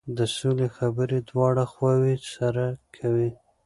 د سولې خبرې دواړه خواوې سره کوي.